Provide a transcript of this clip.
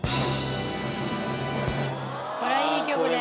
これはいい曲だよ。